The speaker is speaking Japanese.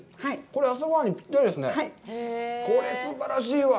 これ、すばらしいわ。